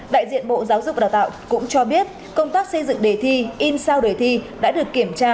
đại diện bộ giáo dục và đào tạo cũng cho biết công tác xây dựng đề thi in sao đề thi đã được kiểm tra